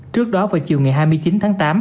trước đó vào chiều ngày hai mươi chín tháng tám